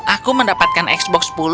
aku mendapatkan x box sepuluh